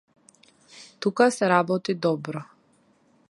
Тука се работи добро.